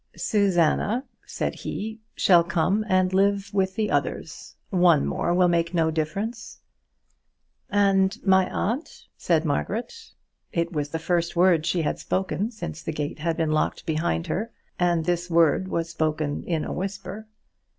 "Susanna," said he, "shall come and live with the others; one more will make no difference." "And my aunt?" said Margaret. It was the first word she had spoken since the gate had been locked behind her, and this word was spoken in a whisper.